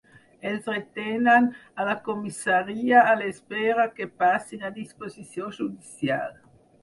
Els retenen a la comissaria a l’espera que passin a disposició judicial.